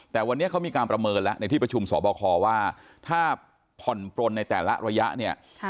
แต่วันนี้เขามีการประเมินแล้วในที่ประชุมสอบคอว่าถ้าผ่อนปลนในแต่ละระยะเนี่ย